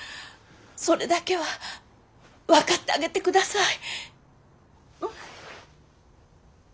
それだけは分かってあげてください。